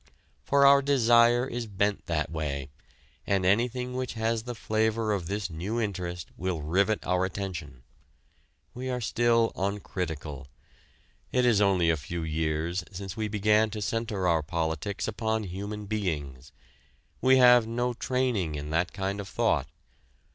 For our desire is bent that way, and anything which has the flavor of this new interest will rivet our attention. We are still uncritical. It is only a few years since we began to center our politics upon human beings. We have no training in that kind of thought.